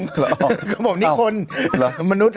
รึอ่อเพราะผมนี่คนยังเป็นมนุษย์นะ